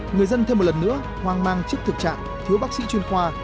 người dân thêm một lần nữa hoang mang trước thực trạng thiếu bác sĩ chuyên khoa